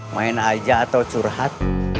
main aja atau curhat